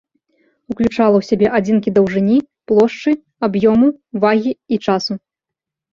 Уключала ў сябе адзінкі даўжыні, плошчы, аб'ёму, вагі і часу.